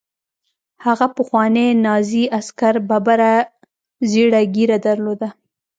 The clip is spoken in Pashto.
هغه پخواني نازي عسکر ببره زیړه ږیره درلوده